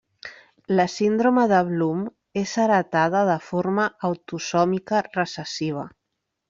La síndrome de Bloom és heretada de forma autosòmica recessiva.